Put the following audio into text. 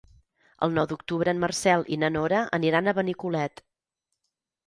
El nou d'octubre en Marcel i na Nora aniran a Benicolet.